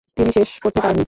তিনি শেষ করতে পারেন নি।